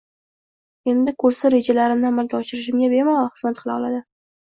Endi kursi rejalarimni amalga oshirishimga bemalol xizmat qila oladi